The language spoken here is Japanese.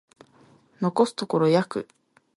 残すところ約